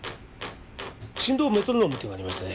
振動メトロノームっていうのがありましてね。